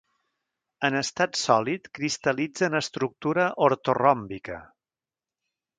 En estat sòlid cristal·litza en estructura ortoròmbica.